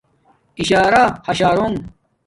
اشارہاشارونݣ